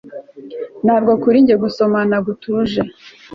ntabwo kuri njye gusomana gutuje